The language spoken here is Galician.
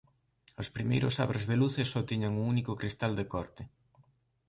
Os primeiros sabres de luces só tiñan un único cristal de corte.